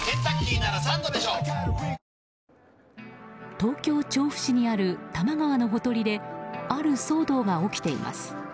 東京・調布市にある多摩川のほとりである騒動が起きています。